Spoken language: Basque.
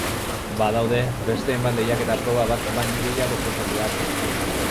Badaude beste hainbat lehiaketa proba bat baino gehiagok osatuak.